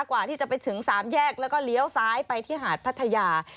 กว่าที่จะไปถึง๓แยกแล้วก็เลี้ยวซ้ายไปที่หาดพัทยา